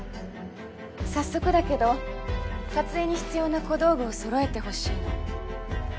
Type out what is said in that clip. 早速だけど撮影に必要な小道具をそろえてほしいの。